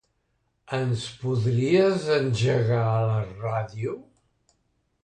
Ens podries engegar la ràdio?